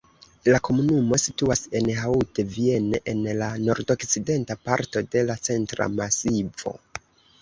La komunumo situas en Haute-Vienne, en la nordokcidenta parto de la Centra Masivo.